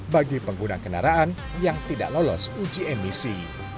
bagi pengguna kendaraan yang tidak lolos uji emisi